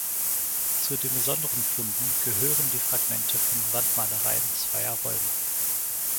Zu den besonderen Funden gehören die Fragmente von Wandmalereien zweier Räume.